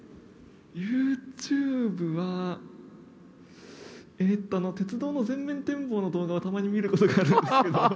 ユーチューブは、えーと、鉄道の前面展望の動画はたまに見ることがあるんですけど。